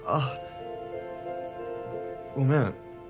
ごめん。